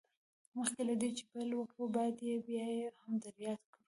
مخکې له دې چې پيل وکړو بايد بيا يې هم در ياده کړم.